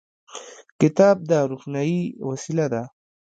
کتاب د روښنايي وسیله ده.